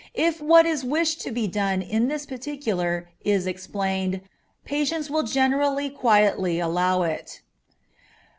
If what is wished to be done in this particular is explained, patients will generally quietly allow it.